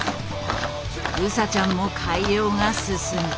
ウサちゃんも改良が進む。